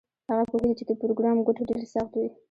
هغه پوهیږي چې د پروګرام کوډ ډیر سخت وي